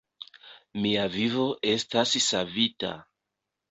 Mia vivo estas savita.